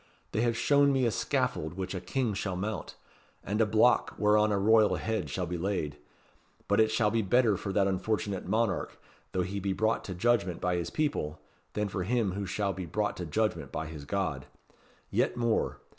They have shown me a scaffold which a King shall mount and a block whereon a royal head shall be laid. But it shall be better for that unfortunate monarch, though he be brought to judgment by his people, than for him who shall be brought to judgment by his God. Yet more.